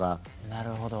なるほど。